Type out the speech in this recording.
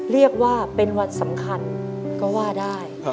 เรียกว่าเป็นวันสำคัญก็ว่าได้